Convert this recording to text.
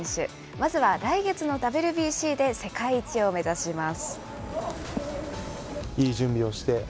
まずは来月のＷＢＣで世界一を目指します。